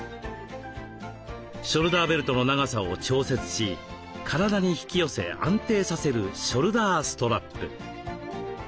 ショルダーベルトの長さを調節し体に引き寄せ安定させるショルダーストラップ。